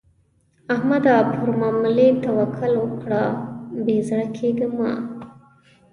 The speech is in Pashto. احمده؛ پر ماملې توکل کړه؛ بې زړه کېږه مه.